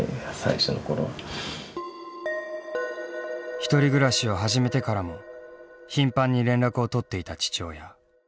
１人暮らしを始めてからも頻繁に連絡を取っていた父親。